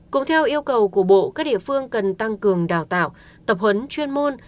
cũng theo yêu cầu của bộ các địa phương cần tăng cường đào tạo tập huấn chuyên môn